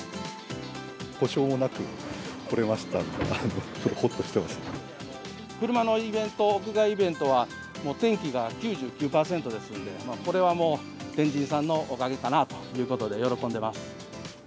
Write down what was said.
故障もなくこれましたので、車のイベント、屋外イベントは、天気が９９％ですので、これはもう、天神さんのおかげかなということで、喜んでます。